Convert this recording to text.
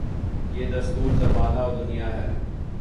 یہ دستور زمانہ و دنیاہے۔